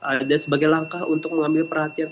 ada sebagai langkah untuk mengambil perhatian